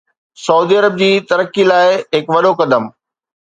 سعودي عرب جي ترقي لاء هڪ وڏو قدم